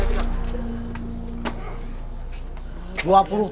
dua puluh tahun eh